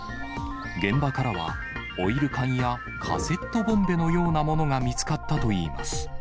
現場からは、オイル缶やカセットボンベのようなものが見つかったといいます。